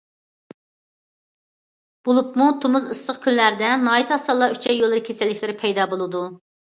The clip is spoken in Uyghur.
بولۇپمۇ تومۇز ئىسسىق كۈنلەردە ناھايىتى ئاسانلا ئۈچەي يوللىرى كېسەللىكلىرى پەيدا بولىدۇ.